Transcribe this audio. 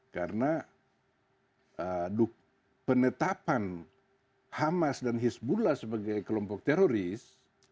karena penetapan hamas dan hezbollah sebagai kelompok teroris